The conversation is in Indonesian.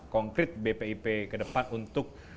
konkret bpip ke depan untuk